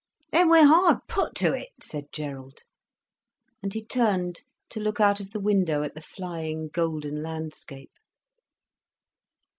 "Then we're hard put to it," said Gerald. And he turned to look out of the window at the flying, golden landscape.